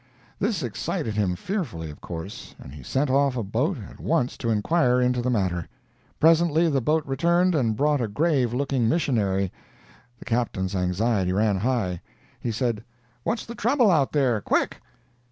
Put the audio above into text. This excited him fearfully, of course, and he sent off a boat at once to inquire into the matter. Presently the boat returned, and brought a grave looking missionary. The Captain's anxiety ran high. He said: "What's the trouble out there?—quick!"